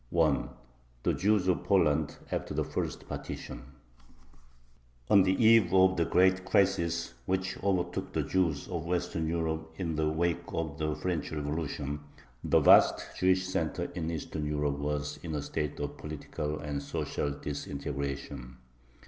THE JEWS OF POLAND AFTER THE FIRST PARTITION On the eve of the great crisis which overtook the Jews of Western Europe in the wake of the French Revolution, the vast Jewish center in Eastern Europe was in a state of political and social disintegration.